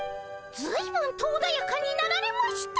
ずいぶんとおだやかになられました。